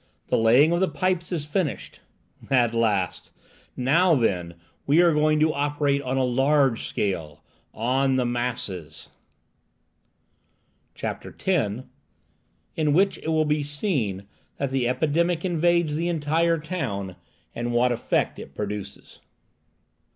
The laying of the pipes is finished." "At last! Now, then, we are going to operate on a large scale, on the masses!" CHAPTER X. IN WHICH IT WILL BE SEEN THAT THE EPIDEMIC INVADES THE ENTIRE TOWN, AND WHAT EFFECT IT PRODUCES.